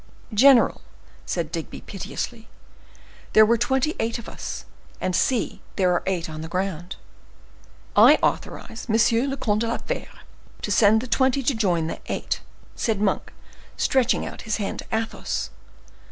"General," said Digby, piteously, "there were twenty eight of us, and see, there are eight on the ground." "I authorize M. le Comte de la Fere to send the twenty to join the eight," said Monk, stretching out his hand to Athos.